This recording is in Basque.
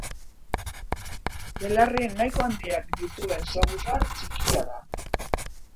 Belarri nahiko handiak dituen saguzar txikia da.